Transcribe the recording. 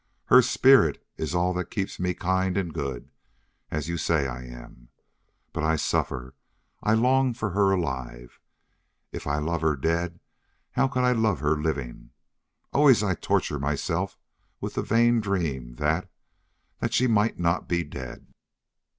Her spirit is all that keeps me kind and good, as you say I am. But I suffer, I long for her alive. If I love her dead, how could I love her living! Always I torture myself with the vain dream that that she MIGHT not be dead.